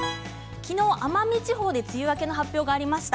昨日、奄美地方で梅雨明けの発表がありました。